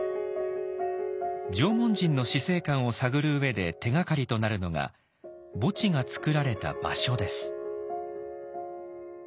縄文人の死生観を探る上で手がかりとなるのが墓地が作られた場所です。